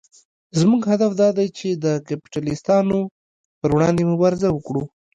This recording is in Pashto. زموږ هدف دا دی چې د کپیټلېستانو پر وړاندې مبارزه وکړو.